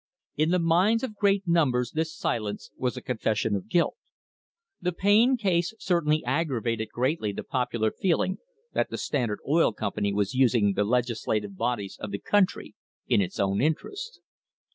In the minds of great numbers this silence was a confession of guilt. The Payne case certainly aggravated greatly the popular feeling that the Standard Oil Company was using the legis lative bodies of the country in its own interest.